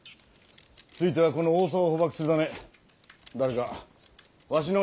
ついてはこの大沢を捕縛するため誰かわしの名代を務めよ。